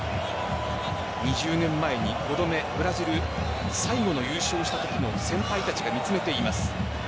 ２０年前に５度目、ブラジル最後に優勝したときの先輩たちが見つめています。